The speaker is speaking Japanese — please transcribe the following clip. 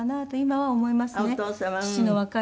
はい。